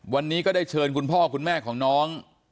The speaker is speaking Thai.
วันนี้ก็ได้เชิญคุณพ่อคุณแม่ของน้อง